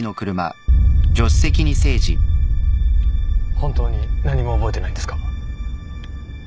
本当に何も覚えてないんですか？